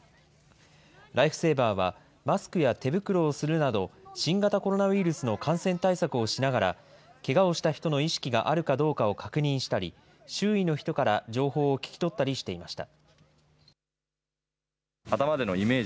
ライフセーバーは、マスクや手袋をするなど、新型コロナウイルスの感染対策をしながら、けがをした人の意識があるかどうかを確認したり、周囲の人から情報を聞き取ったりしていました。